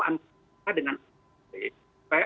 antara apa dengan apa